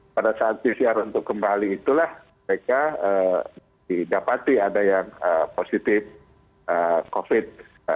pada saat pcr untuk kembali itulah mereka didapati ada yang positif covid sembilan belas